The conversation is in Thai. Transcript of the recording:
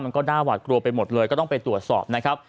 มันก็น่าหวาดกลัวไปหมดเลยก็ต้องไปตรวจสอบนะครับ